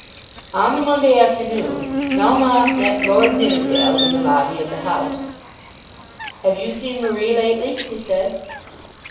On the Monday afternoon Melmotte met Lord Nidderdale in the lobby of the House. "Have you seen Marie lately?" he said.